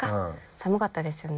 寒かったですよね。